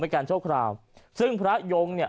ไปกันโชคคราวซึ่งพระยง